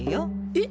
えっ